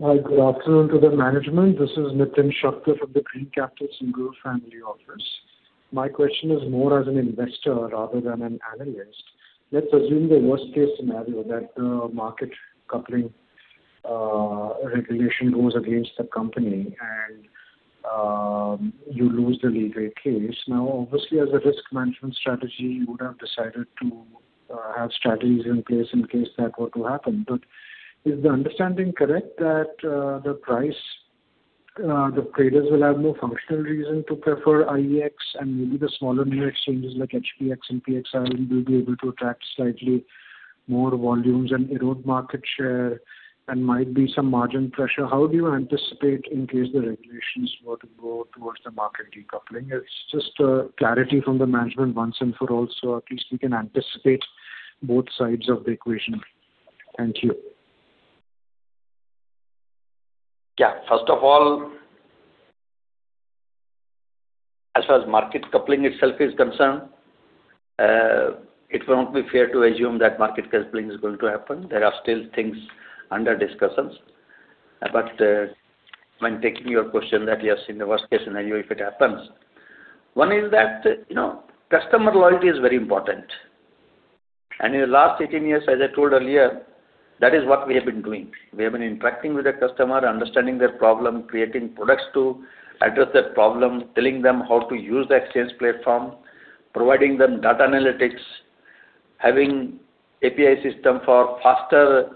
Hi. Good afternoon to the management. This is Nitin Shakdher from the Green Capital Single Family Office. My question is more as an investor rather than an analyst. Let's assume the worst case scenario, that the market coupling regulation goes against the company and you lose the legal case. Now, obviously, as a risk management strategy, you would have decided to have strategies in place in case that were to happen. But is the understanding correct that the traders will have no functional reason to prefer IEX? And maybe the smaller new exchanges like HPX and PXIL will be able to attract slightly more volumes and erode market share and might be some margin pressure. How do you anticipate in case the regulations were to go towards the market decoupling? It's just clarity from the management once and for all, so at least we can anticipate both sides of the equation. Thank you. Yeah. First of all, as far as market coupling itself is concerned, it will not be fair to assume that market coupling is going to happen. There are still things under discussions. When taking your question that you have seen the worst case scenario, if it happens, one is that customer loyalty is very important. In the last 18 years, as I told earlier, that is what we have been doing. We have been interacting with the customer, understanding their problem, creating products to address that problem, telling them how to use the exchange platform, providing them data analytics, having API system for faster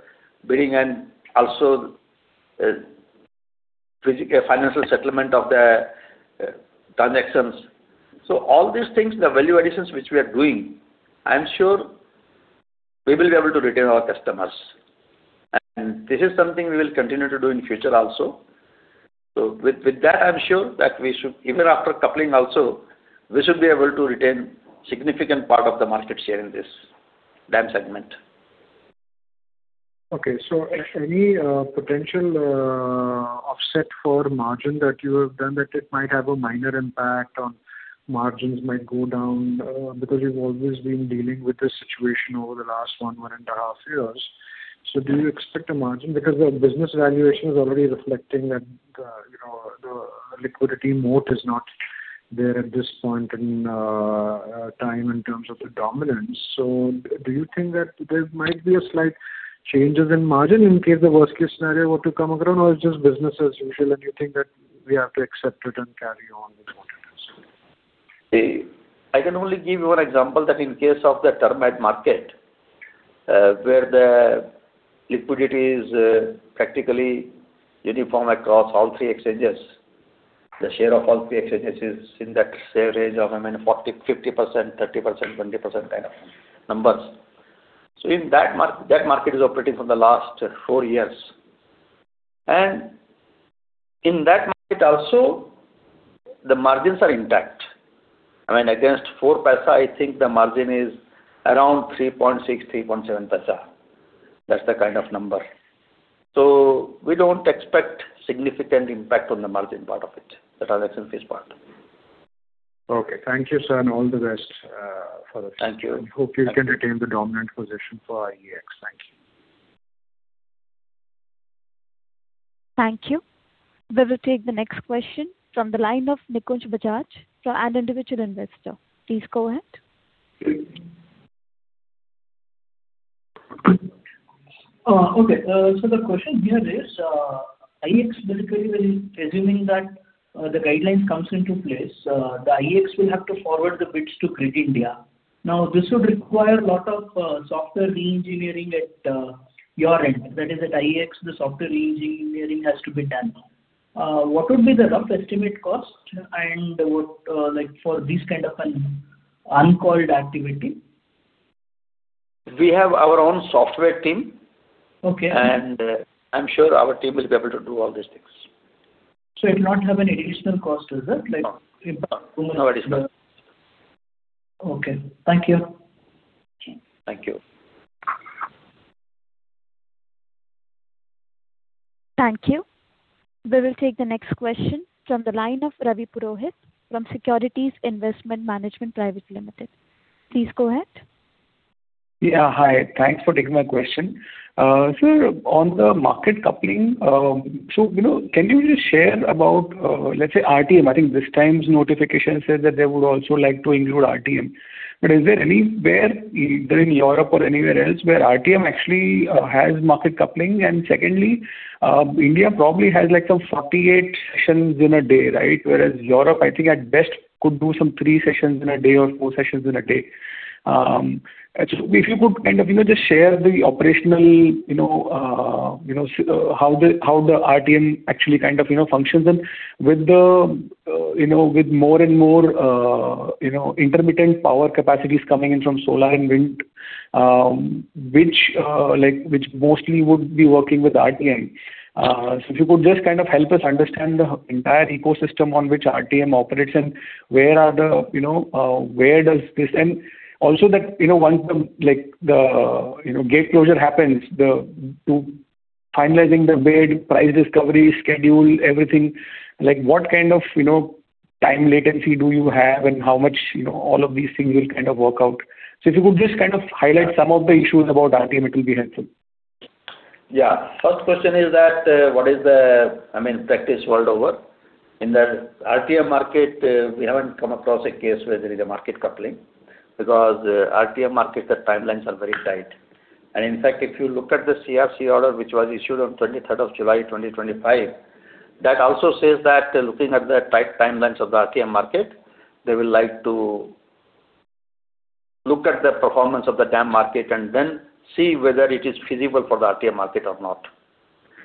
billing, and also financial settlement of the transactions. All these things, the value additions which we are doing, I am sure we will be able to retain our customers. This is something we will continue to do in future also. With that, I'm sure that even after coupling also, we should be able to retain significant part of the market share in this DAM segment. Any potential offset for margin that you have done that it might have a minor impact or margins might go down because you've always been dealing with this situation over the last one and a half years. Do you expect a margin because the business valuation is already reflecting that the liquidity moat is not there at this point in time in terms of the dominance. Do you think that there might be a slight changes in margin in case the worst case scenario were to come around or it's just business as usual and you think that we have to accept it and carry on with what it is? I can only give you one example that in case of the term ahead market, where the liquidity is practically uniform across all three exchanges. The share of all three exchanges is in that same range of 40%, 50%, 30%, 20% kind of numbers. That market is operating for the last four years, and in that market also, the margins are intact. Against 0.04, I think the margin is around 0.036, 0.037. That's the kind of number. We don't expect significant impact on the margin part of it, the transaction fees part. Okay. Thank you, sir, and all the best for the future. Thank you. I hope you can retain the dominant position for IEX. Thank you. Thank you. We will take the next question from the line of [Nikunj Bajaj] from, an individual investor. Please go ahead. Okay. The question here is, IEX basically will be assuming that the guidelines comes into place, the IEX will have to forward the bids to Grid India. Now, this would require lot of software reengineering at your end. That is at IEX, the software reengineering has to be done. What would be the rough estimate cost and what, for this kind of an uncalled activity? We have our own software team. Okay. I'm sure our team will be able to do all these things. It will not have any additional cost, is it? No. No additional cost. Okay. Thank you. Thank you. Thank you. We will take the next question from the line of Ravi Purohit from Securities Investment Management Private Limited. Please go ahead. Yeah. Hi. Thanks for taking my question. Sir, on the market coupling, can you just share about, let's say, RTM? I think this time's notification says that they would also like to include RTM. But is there anywhere, either in Europe or anywhere else, where RTM actually has market coupling? And secondly, India probably has some 48 sessions in a day, right, whereas Europe, I think at best could do some three sessions in a day or four sessions in a day. If you could just share the operational, how the RTM actually functions, and with more and more intermittent power capacities coming in from solar and wind, which mostly would be working with RTM. If you could just help us understand the entire ecosystem on which RTM operates and where does this end? Also, once the gate closure happens, to finalizing the bid, price discovery, schedule, everything, what kind of time latency do you have and how much all of these things will work out? If you could just highlight some of the issues about RTM, it will be helpful. Yeah. First question is that, what is the practice world over? In the RTM market, we haven't come across a case where there is a market coupling, because RTM market, the timelines are very tight. In fact, if you look at the CERC order, which was issued on 23rd of July 2025, that also says that looking at the tight timelines of the RTM market, they will like to look at the performance of the DAM market and then see whether it is feasible for the RTM market or not.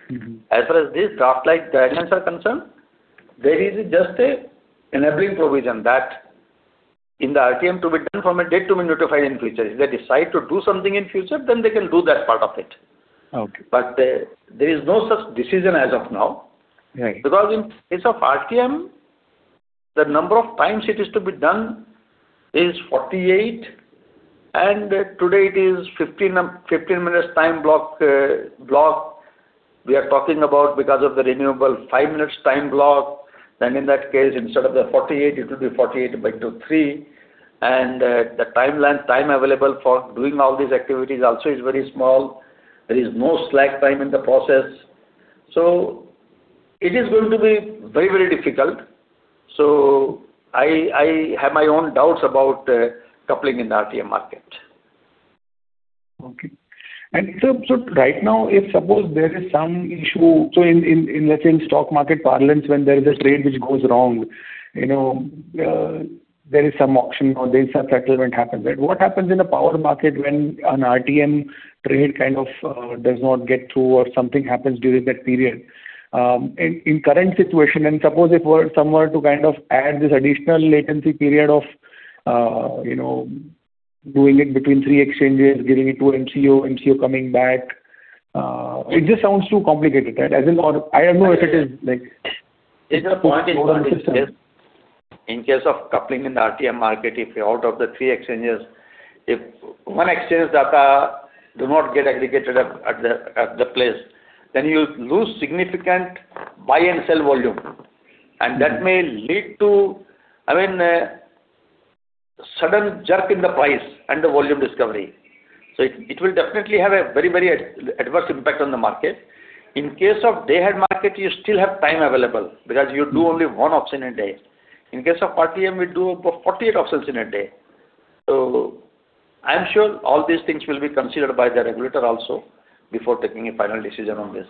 Mm-hmm. As far as these draft guidelines are concerned, there is just an enabling provision that in the RTM to be done from a date to be notified in future. If they decide to do something in future, then they can do that part of it. Okay. There is no such decision as of now. Right. Because in case of RTM, the number of times it is to be done is 48, and today it is 15 minutes time block. We are talking about, because of the renewable five minutes time block, then in that case, instead of the 48, it will be 48 by 3. The time available for doing all these activities also is very small. There is no slack time in the process. It is going to be very difficult. I have my own doubts about coupling in the RTM market. Okay. Right now, if suppose there is some issue, so let's say in stock market parlance, when there is a trade which goes wrong, there is some auction or there is some settlement happens. What happens in a power market when an RTM trade kind of does not get through or something happens during that period? In current situation, suppose if were somewhere to add this additional latency period of doing it between three exchanges, giving it to MCO, MCO coming back. It just sounds too complicated. I don't know if it is like. [crosstalk] The point is this, in case of coupling in the RTM market, if out of the three exchanges, if one exchange data do not get aggregated at the place, then you lose significant buy and sell volume. That may lead to sudden jerk in the price and the volume discovery. It will definitely have a very adverse impact on the market. In case of day ahead market, you still have time available because you do only one auction a day. In case of RTM, we do about 48 auctions in a day. I'm sure all these things will be considered by the regulator also before taking a final decision on this.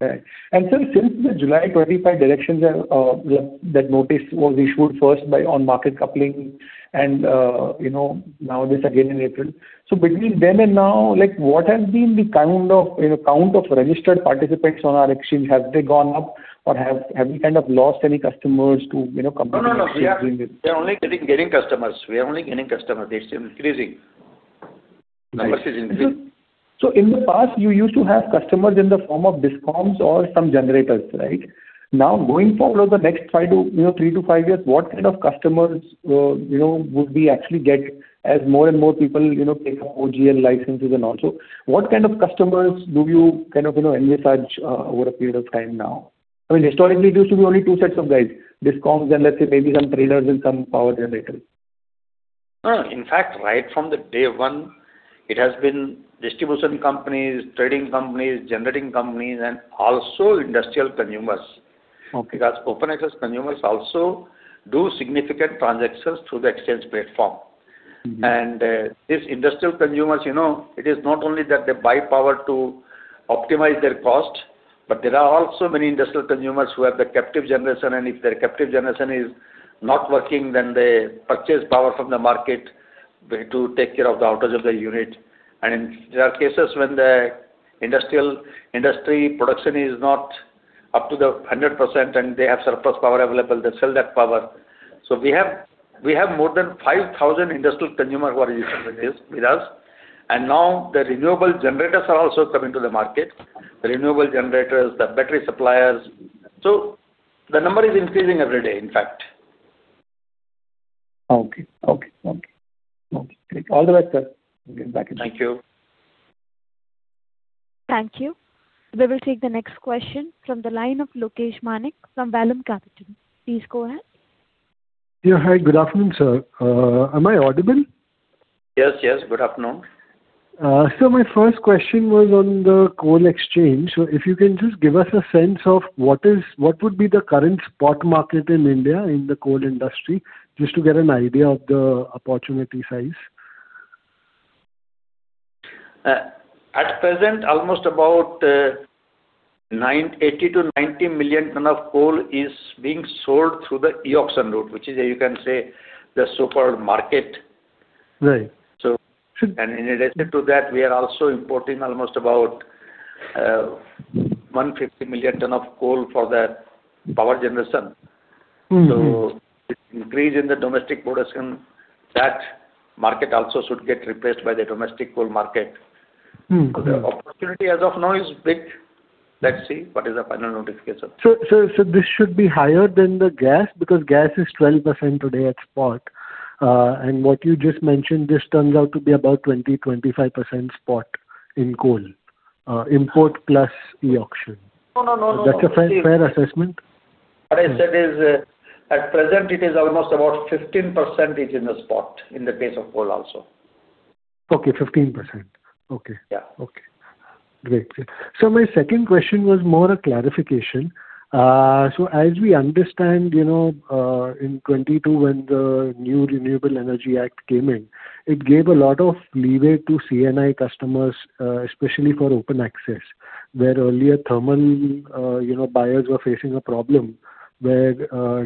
Right. Sir, since the July 2025 directions, that notice was issued first on market coupling and now this again in April. Between then and now, what has been the count of registered participants on our exchange? Have they gone up or have we kind of lost any customers to competing exchanges? No. We are only getting customers, we are only getting customers. They're still increasing. Numbers is increasing. In the past, you used to have customers in the form of DISCOMs or some generators, right? Now, going forward on the next three to five years, what kind of customers would we actually get as more and more people take OA licenses and all? What kind of customers do you envisage over a period of time now? Historically, it used to be only two sets of guys, DISCOMs and let's say maybe some traders and some power generators. No. In fact, right from the day one, it has been distribution companies, trading companies, generating companies, and also industrial consumers. Okay. Because open access consumers also do significant transactions through the exchange platform. Mm-hmm. These industrial consumers, it is not only that they buy power to optimize their cost, but there are also many industrial consumers who have the captive generation, and if their captive generation is not working, then they purchase power from the market to take care of the outage of the unit. There are cases when the industry production is not up to the 100% and they have surplus power available, they sell that power. We have more than 5,000 industrial consumers who are using this with us, and now the renewable generators are also coming to the market. The renewable generators, the battery suppliers. The number is increasing every day, in fact. Okay. All the best, sir. Thank you. Thank you. We will take the next question from the line of Lokesh Manik from Vallum Capital. Please go ahead. Yeah. Hi, good afternoon, sir. Am I audible? Yes. Good afternoon. Sir, my first question was on the coal exchange. If you can just give us a sense of what would be the current spot market in India in the coal industry, just to get an idea of the opportunity size. At present, almost about 80 million-90 million tons of coal is being sold through the e-auction route, which is, you can say, the so-called market. Right. In addition to that, we are also importing almost about 150 million tons of coal for the power generation. Mm-hmm. With increase in the domestic production, that market also should get replaced by the domestic coal market. Mm-hmm. The opportunity as of now is big. Let's see what is the final notification. This should be higher than the gas because gas is 12% today at spot. What you just mentioned just turns out to be about 20%-25% spot in coal, import plus e-auction. No. That's a fair assessment? What I said is, at present, it is almost about 15% is in the spot, in the case of coal also. Okay, 15%. Okay. Yeah. Okay. Great. My second question was more a clarification. As we understand, in 2022, when the new Renewable Energy Act came in, it gave a lot of leeway to C&I customers, especially for open access. Where earlier thermal buyers were facing a problem, where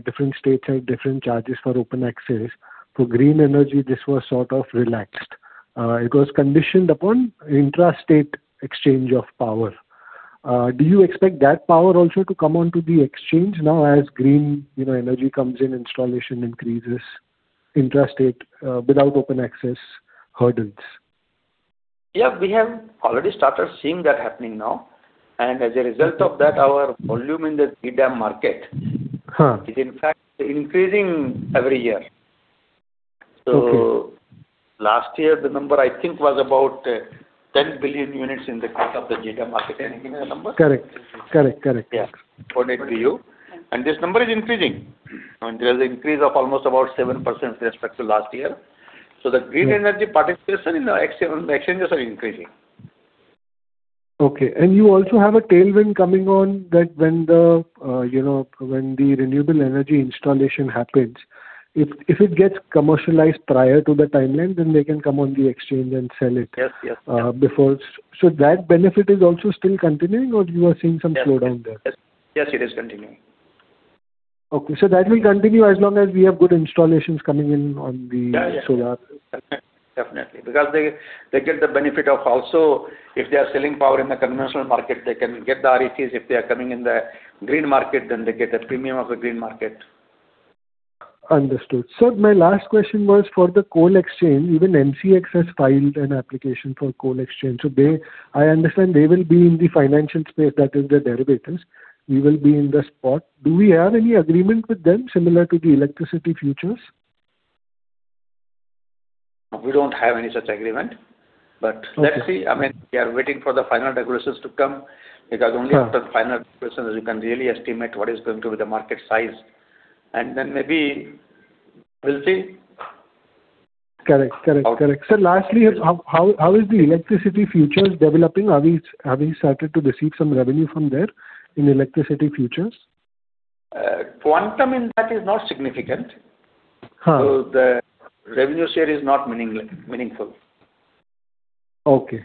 different states had different charges for open access. For green energy, this was sort of relaxed. It was conditioned upon intrastate exchange of power. Do you expect that power also to come onto the exchange now as green energy comes in, installation increases intrastate, without open access hurdles? Yeah, we have already started seeing that happening now. As a result of that, our volume in the G-DAM market. Huh. Is in fact increasing every year. Okay. Last year, the number I think was about 10 billion units in the course of the G-DAM market. Anything near that number? Correct. Yeah. According to you, this number is increasing. There's increase of almost about 7% with respect to last year. The green energy participation in our exchanges are increasing. Okay. You also have a tailwind coming on that when the renewable energy installation happens, if it gets commercialized prior to the timeline, then they can come on the exchange and sell it. Yes. Before. So, that benefit is also still continuing or you are seeing some slowdown there? Yes, it is continuing. That will continue as long as we have good installations coming in on the. [crosstalk] Yeah, definitely. Because they get the benefit of also, if they are selling power in the conventional market, they can get the RECs. If they are coming in the green market, then they get a premium of the green market. Understood. Sir, my last question was for the coal exchange. Even NCDEX has filed an application for coal exchange. I understand they will be in the financial space, that is, the derivatives. We will be in the spot. Do we have any agreement with them similar to the electricity futures? We don't have any such agreement, but let's see. I mean, we are waiting for the final regulations to come, because only after the final regulations you can really estimate what is going to be the market size, and then maybe we'll see Correct. Sir, lastly, how is the electricity futures developing? Have you started to receive some revenue from there in electricity futures? Quantum in that is not significant. Huh. The revenue share is not meaningful. Okay.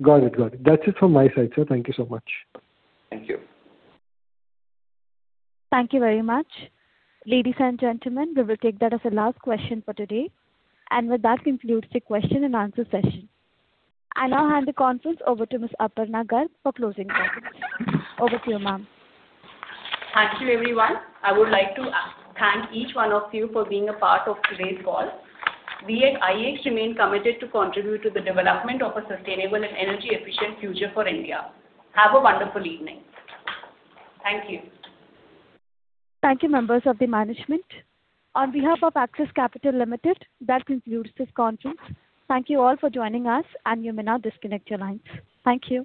Got it. That's it from my side, sir. Thank you so much. Thank you. Thank you very much. Ladies and gentlemen, we will take that as the last question for today. With that concludes the question-and-answer session. I now hand the conference over to Ms. Aparna Garg for closing comments. Over to you, ma'am. Thank you, everyone. I would like to thank each one of you for being a part of today's call. We at IEX remain committed to contribute to the development of a sustainable and energy-efficient future for India. Have a wonderful evening. Thank you. Thank you, members of the management. On behalf of Axis Capital Limited, that concludes this conference. Thank you all for joining us and you may now disconnect your lines. Thank you.